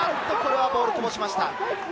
ボールをこぼしました。